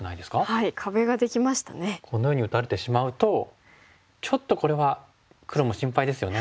このように打たれてしまうとちょっとこれは黒も心配ですよね。